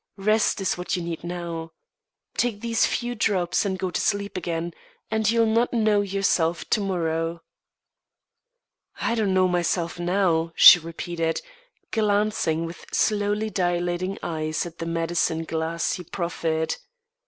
Rest is what you need now. Take these few drops and go to sleep again, and you'll not know yourself to morrow." "I don't know myself now," she repeated, glancing with slowly dilating eyes at the medicine glass he proffered.